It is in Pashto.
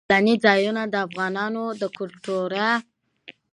سیلاني ځایونه د افغانانو د ګټورتیا یوه برخه ده.